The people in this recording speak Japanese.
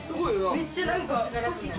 めっちゃ何か。